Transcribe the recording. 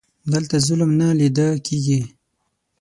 دلته ظلم نه لیده کیږي.